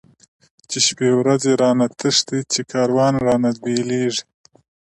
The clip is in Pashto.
چی شپی ورځی را نه تښتی، چی کاروان را نه بیلیږی